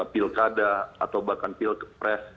pilkada atau bahkan pilkpres